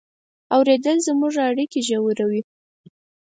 اورېدل زموږ اړیکې ژوروي.